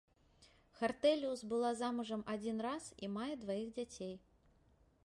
Хартэліус была замужам адзін раз і мае дваіх дзяцей.